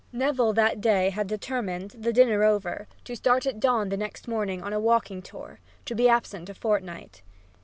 Neville that day had determined, the dinner over, to start at dawn next morning on a walking tour, to be absent a fortnight.